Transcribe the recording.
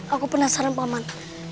aku penasaran pak man